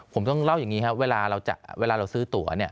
ผมต้องเล่าอย่างนี้ครับเวลาเราซื้อตัวเนี่ย